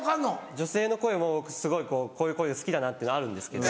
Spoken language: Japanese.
女性の声も僕すごいこういう声が好きだなっていうのはあるんですけど。